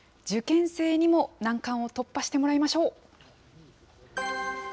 受験生にも難関を突破してもらいましょう。